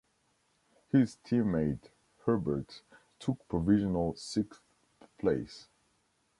His teammate, Herbert, took provisional sixth place.